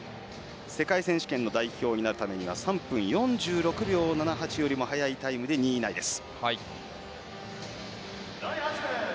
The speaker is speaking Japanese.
世界選手権の代表になるためには３分４６秒７８よりも早いタイムで２位以内です。